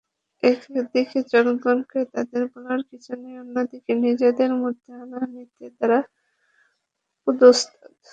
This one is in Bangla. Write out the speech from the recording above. একদিকে জনগণকে তাঁদের বলার কিছু নেই, অন্যদিকে নিজেদের মধ্যে হানাহানিতে তাঁরা পর্যুদস্ত।